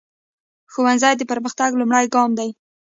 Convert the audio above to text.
ښوونځی د پرمختګ لومړنی ګام دی.